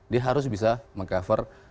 dia harus bisa meng cover